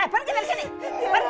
pergi dari sini pergi